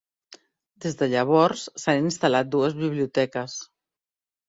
Des de llavors s'han instal·lat dues biblioteques.